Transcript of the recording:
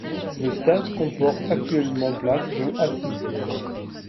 Le stade comporte actuellement places, dont assises.